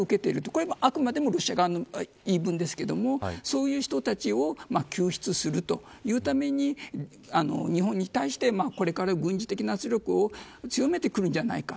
これは、あくまでもロシア側の言い分ですがそういう人たちを救出するというために日本に対してこれから軍事的な圧力を強めてくるんじゃないか。